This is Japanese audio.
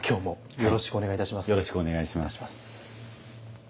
よろしくお願いします。